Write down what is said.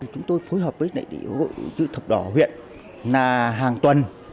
chúng tôi phối hợp với hội chữ thập đỏ huyện là hàng tuần